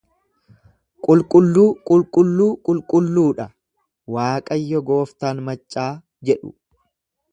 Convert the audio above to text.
Qulqulluu, qulqulluu, qulqulluu dha Waaqayyo gooftaan maccaa jedhu.